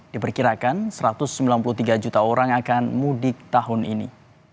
diperkirakan satu ratus sembilan puluh tiga juta orang akan mudik tahun ini